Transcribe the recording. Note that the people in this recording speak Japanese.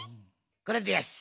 これでよし。